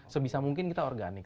sebisa mungkin kita organik